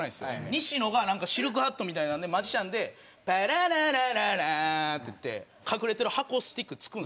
西野がシルクハットみたいなんでマジシャンで「タラララララーン」って言って隠れてる箱をスティックで突くんですよ。